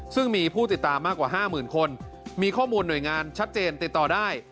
ซึ่งมีผู้ติดตามมากกว่า๕๐๐๐คนมีข้อมูลหน่วยงานชัดเจนติดต่อได้